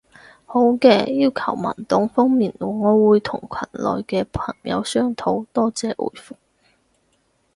好嘅，要求文檔方面，我會同群內嘅朋友商討。多謝回覆